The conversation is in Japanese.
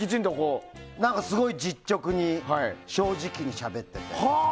すごい実直に正直にしゃべっていて。